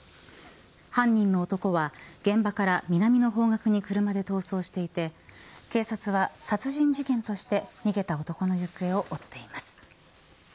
犯人の男は現場から南の方角に車で逃走していて警察は殺人事件として逃げた男の行方を追っています。